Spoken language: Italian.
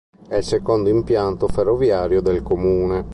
È il secondo impianto ferroviario del comune.